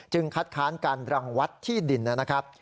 คัดค้านการรังวัดที่ดินนะครับ